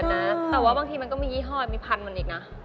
แต่ว่าบางทีมันก็มียี่ห้อมีพันธุมันอีกนะ